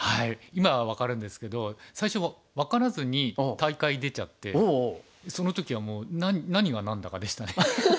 今は分かるんですけど最初分からずに大会出ちゃってその時はもう何が何だかでしたね。